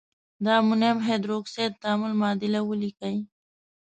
د امونیم هایدرواکساید تعامل معادله ولیکئ.